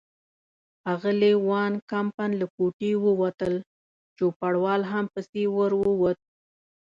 اغلې وان کمپن له کوټې ووتل، چوپړوال هم پسې ور ووت.